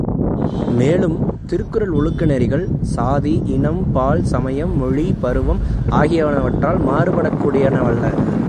மேலும், திருக்குறள் ஒழுக்க நெறிகள், சாதி, இனம், பால், சமயம், மொழி, பருவம் ஆகியனவற்றால் மாறுபடக் கூடியனவல்ல.